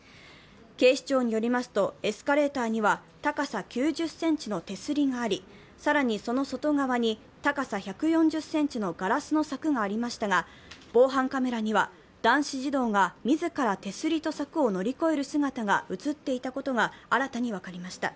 警視庁によりますと、エスカレーターには高さ９０ｃｍの手すりがあり、更にその外側に高さ１４１ｃｍのガラスの柵がありましたが防犯カメラには男子児童が自ら手すりと柵を乗り越える姿が映っていたことが新たに分かりました。